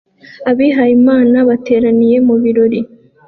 Abihayimana bateranira mu birori